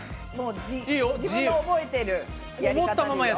自分の覚えてるやり方で。